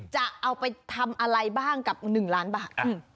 จะเอาไปทำอะไรบ้างกับ๑ล้านบาท